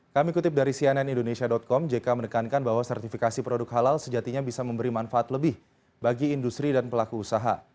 kami kutip dari cnn indonesia com jk menekankan bahwa sertifikasi produk halal sejatinya bisa memberi manfaat lebih bagi industri dan pelaku usaha